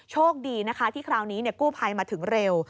โชคดีนะคะที่คราวนี้กู้ภัยมาถึงเร็ว